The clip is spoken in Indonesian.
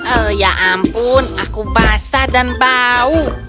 oh ya ampun aku basah dan bau